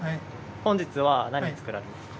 本日は何を作られますか？